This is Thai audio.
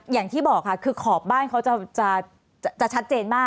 อย่างที่บอกค่ะคือขอบบ้านเขาจะชัดเจนมาก